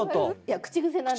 口癖なんですよ。